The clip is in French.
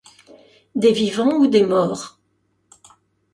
Des vivants ou des morts ?